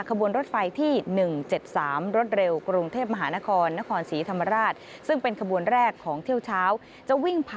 ขบวนรถไฟที่๑๗๓รถเร็วกรุงเทพมหานครนครศรีธรรมราช